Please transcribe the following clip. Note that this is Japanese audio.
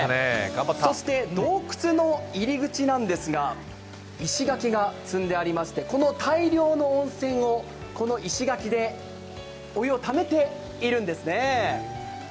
そして洞窟の入り口なんですが、石垣が積んでありまして、この大量の温泉をこの石垣でお湯をためているんですね。